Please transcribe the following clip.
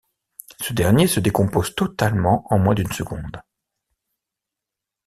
Ce dernier se décompose totalement en moins d'une seconde.